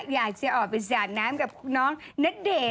อยากจะออกไปส่าดน้ำกับคุณน้องณเดชน์มาที่สุดเลย